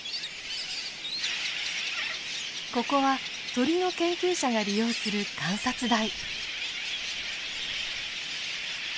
ここは鳥の研究者が利用する観察台。